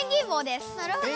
なるほどね。